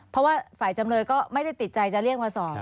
เพราะว่าฝ่ายจำเลยก็ไม่ได้ติดใจจะเรียกมาสอบ